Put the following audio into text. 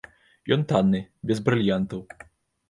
Ён танны, без брыльянтаў.